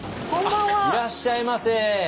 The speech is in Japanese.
いらっしゃいませ。